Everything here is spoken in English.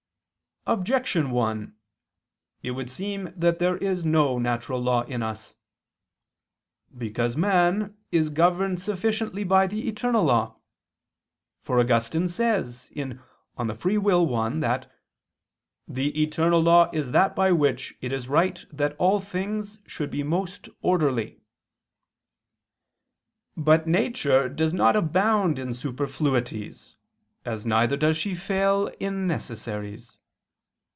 Objection 1: It would seem that there is no natural law in us. Because man is governed sufficiently by the eternal law: for Augustine says (De Lib. Arb. i) that "the eternal law is that by which it is right that all things should be most orderly." But nature does not abound in superfluities as neither does she fail in necessaries.